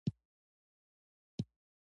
نښتر ونه په ژمي کې شنه وي؟